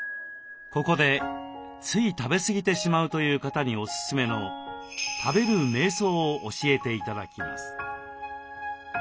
ここでつい食べすぎてしまうという方におすすめの「食べるめい想」を教えて頂きます。